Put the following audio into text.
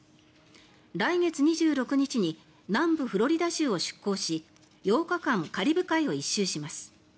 来月２６日に南部フロリダ州を出航し８日間、カリブ海を１周します。